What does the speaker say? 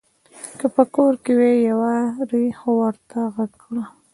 که په کور کې وي يوارې خو ورته غږ کړه !